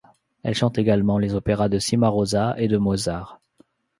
Elle chante également les opéras de Cimarosa et de Mozart.